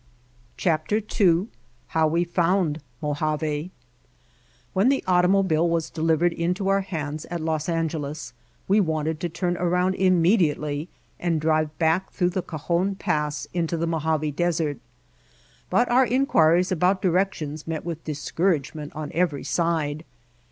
[>9] II How We Found Mojave WHEN the automobile was delivered into our hands at Los Angeles we wanted to turn around immediately and drive back through the Cajon Pass into the Mojave Desert, but our inquiries about direc tions met with discouragement on every side.